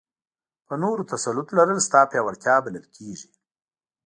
په نورو تسلط لرل ستا پیاوړتیا بلل کېږي.